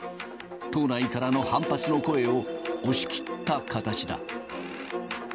党内からの反発の声を押し切った形だ。